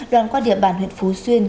đoàn qua điểm bản huyện phú xuyên